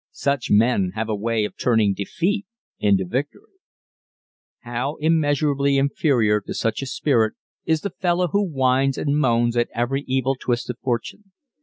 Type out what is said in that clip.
Such men have a way of turning defeat into victory. How immeasurably inferior to such a spirit is the fellow who whines and moans at every evil twist of fortune.